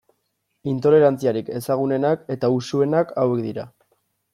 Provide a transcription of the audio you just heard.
Intolerantziarik ezagunenak eta usuenak hauek dira.